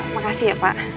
makasih ya pak